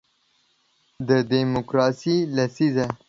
د دیموکراسۍ لسیزه